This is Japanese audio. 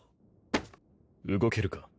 動けるか？